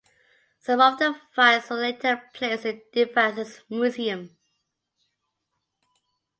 Some of the finds were later placed in Devizes Museum.